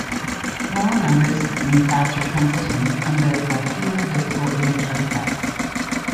Lower numbers mean faster transitions and therefore fewer visible image artifacts.